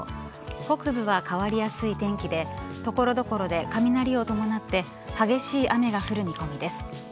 北部は変わりやすい天気で所々で雷を伴って激しい雨が降る見込みです。